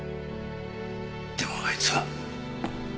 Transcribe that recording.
でもあいつは。